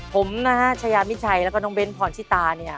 กลุ่มราชยามิชัยแล้วก็น้องเบ้นพรชิตา